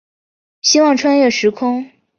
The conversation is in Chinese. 希望穿越时空